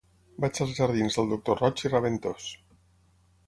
Vaig als jardins del Doctor Roig i Raventós.